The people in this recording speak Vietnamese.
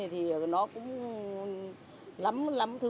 thì nó cũng lắm lắm thứ đó